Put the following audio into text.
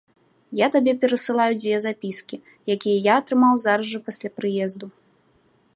Я табе перасылаю дзве запіскі, якія я атрымаў зараз жа пасля прыезду.